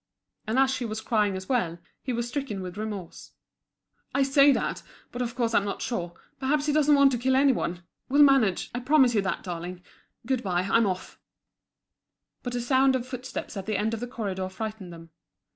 And as she was crying as well, he was stricken with remorse. "I say that, but of course I'm not sure. Perhaps he doesn't want to kill any one. We'll manage. I promise you that, darling. Good bye, I'm off." But a sound of footsteps at the end of the corridor frightened them.